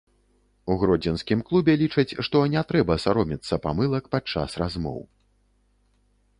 У гродзенскім клубе лічаць, што не трэба саромецца памылак падчас размоў.